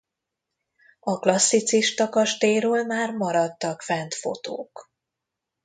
A klasszicista kastélyról már maradtak fent fotók.